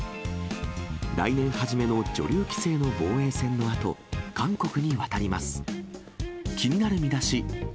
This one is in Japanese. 来年初めの女流棋聖の防衛戦のあと、韓国に渡ります。